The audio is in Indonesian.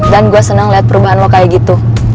dan gue seneng liat perubahan lo kayak gitu